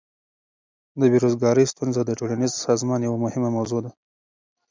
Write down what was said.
د بیروزګاری ستونزه د ټولنیز سازمان یوه مهمه موضوع ده.